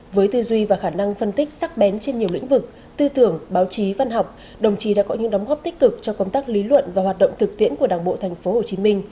với tư duy và khả năng phân tích sắc bén trên nhiều lĩnh vực tư tưởng báo chí văn học đồng chí đã có những đóng góp tích cực cho công tác lý luận và hoạt động thực tiễn của đảng bộ tp hcm